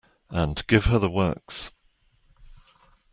And give her the works.